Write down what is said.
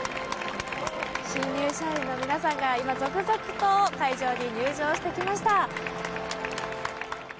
新入社員の皆さんが続々と会場に入場してきました。